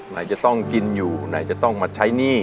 ไหนจะต้องกินอยู่ไหนจะต้องมาใช้หนี้